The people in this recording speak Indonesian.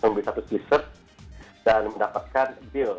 membeli satu t search dan mendapatkan deal